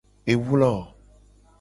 Ewlo.